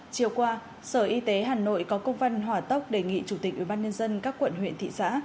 chiều qua sở y tế hà nội có công văn hỏa tốc đề nghị chủ tịch ubnd các quận huyện thị xã